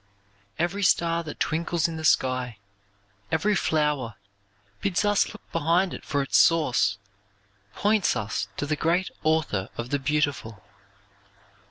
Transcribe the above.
Every star that twinkles in the sky, every flower, bids us look behind it for its source, points us to the great Author of the beautiful.